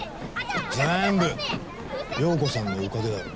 全部陽子さんのおかげだろ。